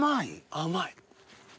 甘い。